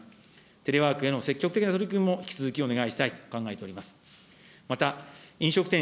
テレワークへの積極的な取り組みも引き続きお願いしたいと考えております。